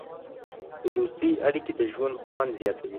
د دوستۍ اړیکې د ژوند خوند زیاتوي.